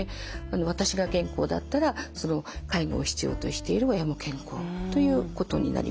私が健康だったら介護を必要としている親も健康ということになります。